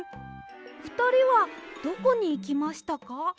ふたりはどこにいきましたか？